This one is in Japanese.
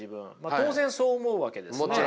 当然そう思うわけですよね。